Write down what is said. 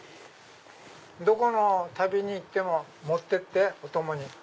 どこの旅に行っても持ってってお供に。